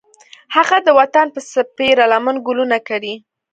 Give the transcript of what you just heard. هغه د وطن په سپېره لمن ګلونه کري